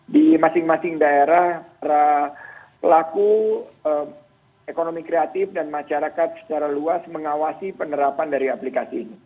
di masing masing daerah para pelaku ekonomi kreatif dan masyarakat secara luas mengawasi penerapan dari aplikasi ini